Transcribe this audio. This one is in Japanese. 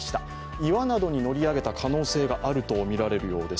岩などに乗り上げた可能性があるとみられるということです。